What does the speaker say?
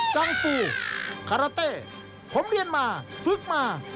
กังฟูคาราเต้ผมเรียนมาฝึกมา